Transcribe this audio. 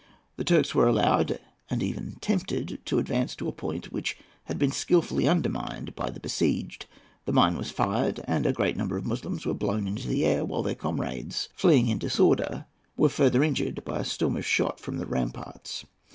The Turks were allowed, and even tempted, to advance to a point which had been skilfully undermined by the besieged. The mine was then fired, and a great number of Moslems were blown into the air, while their comrades, fleeing in disorder, were further injured by a storm of shot from the ramparts.